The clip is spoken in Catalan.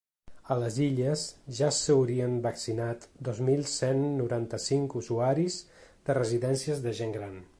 A les Illes ja s’haurien vaccinat dos mil cent noranta-cinc usuaris de residències de gent gran.